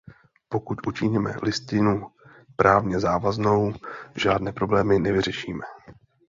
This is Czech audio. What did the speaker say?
Pokud učiníme Listinu právně závaznou, žádné problémy nevyřešíme.